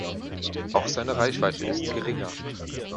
Auch seine Reichweite ist geringer.